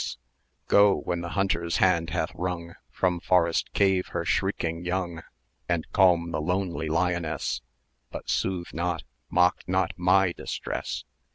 [ep] Go, when the hunter's hand hath wrung From forest cave her shrieking young, And calm the lonely lioness: But soothe not mock not my distress!